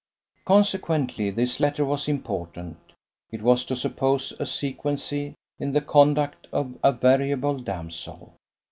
Consequently this letter was important. It was to suppose a sequency in the conduct of a variable damsel.